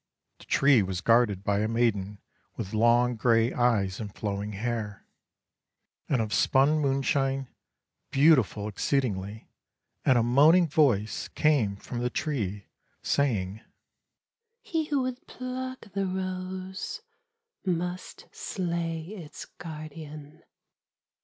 The tree was guarded by a maiden with long grey eyes and flowing hair, and of spun moonshine, beautiful exceedingly, and a moaning voice came from the tree, saying: "He who would pluck the rose must slay its guardian."